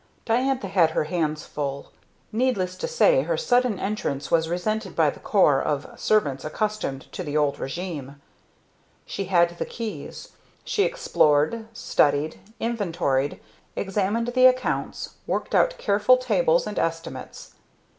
Diantha had her hands full. Needless to say her sudden entrance was resented by the corps of servants accustomed to the old regime. She had the keys; she explored, studied, inventoried, examined the accounts, worked out careful tables and estimates.